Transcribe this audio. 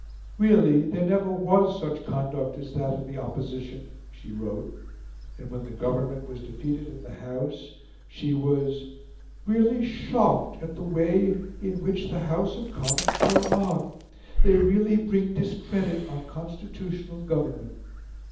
"Really there never was such conduct as that of the Opposition," she wrote. And when the Government was defeated in the House she was "really shocked at the way in which the House of Commons go on; they really bring discredit on Constitutional Government."